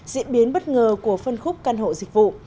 diễn biến bất ngờ của phân khúc căn hộ dịch vụ